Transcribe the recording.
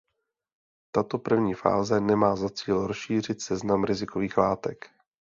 Tato první fáze nemá za cíl rozšířit seznam rizikových látek.